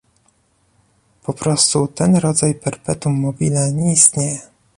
po prostu ten rodzaj perpetuum mobile nie istnieje